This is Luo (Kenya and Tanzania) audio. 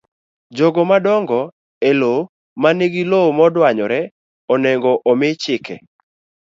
jogo madonjo e lowo ma nigi lowo modwanyore onego omi chike